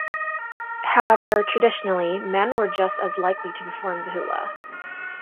However, traditionally, men were just as likely to perform the hula.